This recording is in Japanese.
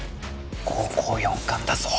高校４冠だぞ！